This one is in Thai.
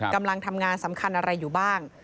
กำลังทำงานสำคัญอะไรอยู่บ้าง